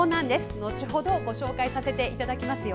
後ほどご紹介させていただきます。